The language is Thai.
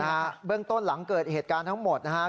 เบื้องต้นหลังเกิดเหตุการณ์ทั้งหมดนะครับ